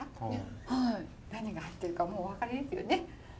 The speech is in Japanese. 何が入ってるかもうお分かりですよね？